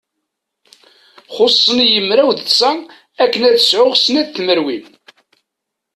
Xussen-iyi mraw d tẓa akken ad sɛuɣ snat tmerwin.